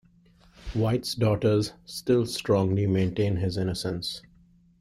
White's daughters still strongly maintain his innocence.